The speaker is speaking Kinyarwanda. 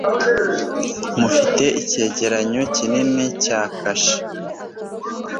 Mfite icyegeranyo kinini cya kashe.